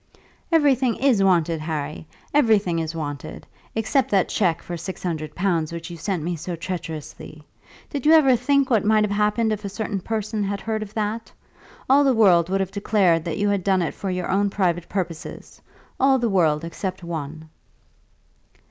"Everything is wanted, Harry. Everything is wanted; except that cheque for six hundred pounds which you sent me so treacherously. Did you ever think what might have happened if a certain person had heard of that? All the world would have declared that you had done it for your own private purposes; all the world, except one."